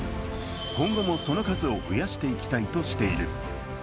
今後もその数を増やしていきたいとしている。